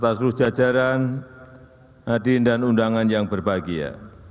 seluruh jajaran hadirin dan undangan yang berbahagia